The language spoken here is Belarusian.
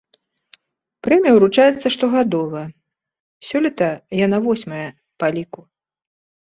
Прэмія ўручаецца штогадова, сёлета яна восьмая па ліку.